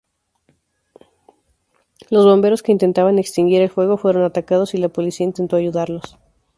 Los bomberos que intentaban extinguir el fuego fueron atacados, y la policía intentó ayudarlos.